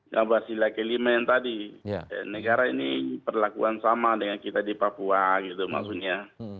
nah basila kelimen tadi negara ini perlakuan sama dengan kita di papua gitu maksudnya